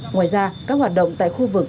ngoài ra các hoạt động tại khu vực